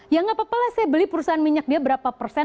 ya nggak apa apa lah saya beli perusahaan minyak dia berapa persen